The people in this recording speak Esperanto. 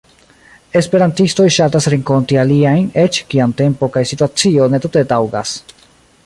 Esperantistoj ŝatas renkonti aliajn, eĉ kiam tempo kaj situacio ne tute taŭgas.